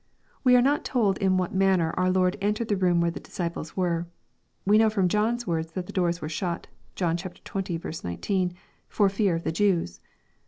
] We are not told in what manner our Lord entered the room where the disciples were. We know from John's words that the doors were shut, (John xx. 19,) " for fear of the Jews."